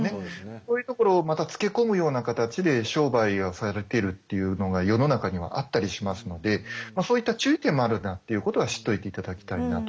そういうところをまたつけ込むような形で商売をされてるっていうのが世の中にはあったりしますのでそういった注意点もあるんだっていうことは知っといて頂きたいなと。